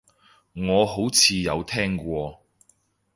我好似有聽過